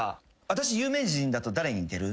「私有名人だと誰に似てる？」